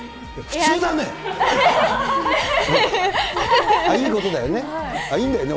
普通だね。